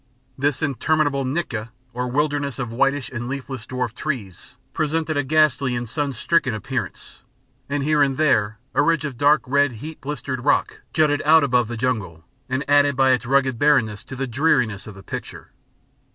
This interminable nyika, or wilderness of whitish and leafless dwarf trees, presented a ghastly and sun stricken appearance; and here and there a ridge of dark red heat blistered rock jutted out above the jungle, and added by its rugged barrenness to the dreariness of the picture.